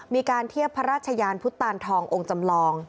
มีการเทียบพระราชยานพุทธตานทององค์จำลอง